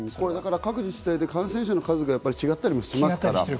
各自治体で感染者の数が違ったりもしますから。